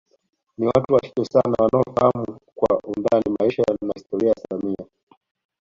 Ni watu wachache sana wanaofahamu kwa undani maisha na historia ya samia